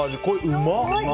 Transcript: うまっ！